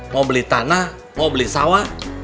mau beli tanah mau beli sawah